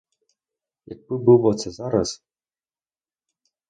Якби був оце зараз!